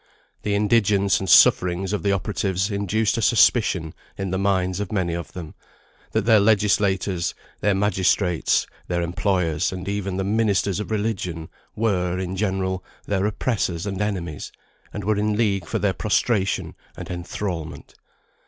The indigence and sufferings of the operatives induced a suspicion in the minds of many of them, that their legislators, their magistrates, their employers, and even the ministers of religion, were, in general, their oppressors and enemies; and were in league for their prostration and enthralment.